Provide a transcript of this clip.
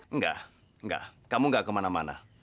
enggak enggak kamu nggak kemana mana